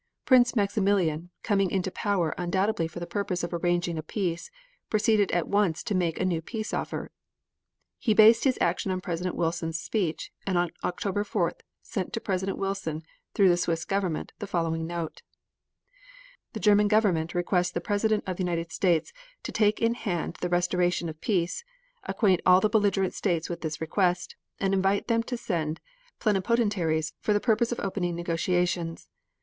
Prince Maximilian, coming into power undoubtedly for the purpose of arranging a peace, proceeded at once to make a new peace offer. He based his action on President Wilson's speech and on October 4th sent to President Wilson, through the Swiss Government, the following note: The German Government requests the President of the United States to take in hand the restoration of peace, acquaint all the belligerent states with this request, and invite them to send plenipotentiaries for the purpose of opening negotiations.